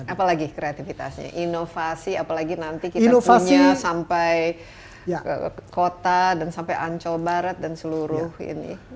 apalagi kreativitasnya inovasi apalagi nanti kita punya sampai kota dan sampai ancol barat dan seluruh ini